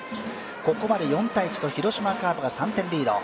ここまで４−１と広島カープが３点リード。